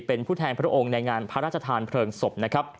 เป็นผู้แทนพระองค์ในงานพระราชทานเพลิงศพนะครับ